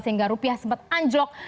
sehingga rupiah sempat anjlok